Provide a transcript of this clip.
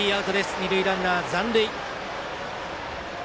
二塁ランナー、残塁。